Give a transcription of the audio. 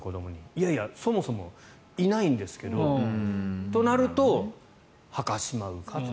いやいや、そもそもいないんですけどとなると墓をしまうかと。